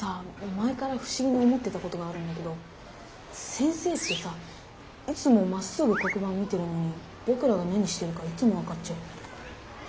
前からふしぎに思ってたことがあるんだけど先生ってさいつもまっすぐ黒板を見てるのにぼくらが何してるかいつも分かっちゃうよね。